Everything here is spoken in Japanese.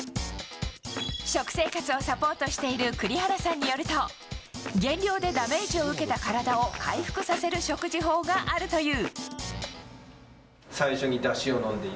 食生活をサポートしている栗原さんによると減量でダメージを受けた体を回復させる食事法があるという。